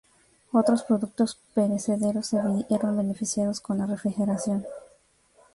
Otros productos perecederos se vieron beneficiados con la refrigeración.